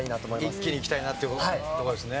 一気にいきたいなっていうとこですね。